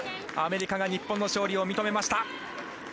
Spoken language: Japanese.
アメリカが日本の勝利を認めました。